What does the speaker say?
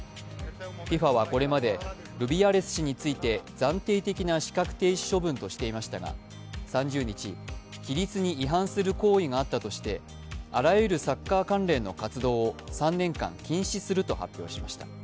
ＦＩＦＡはこれまでルビアレス氏について暫定的な資格停止処分としていましたが、３０日、規律に違反する行為があったとしてあらゆるサッカー関連の活動を３年間、禁止すると発表しました。